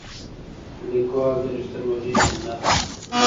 لیکوال د رښتینولۍ نمونه ده.